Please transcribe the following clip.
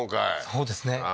そうですね。